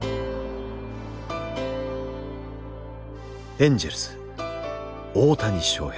エンジェルス大谷翔平。